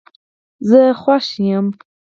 زه خوښ یم